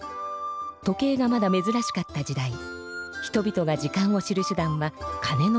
時計がまだめずらしかった時代人々が時間を知る手だんはかねの音でした。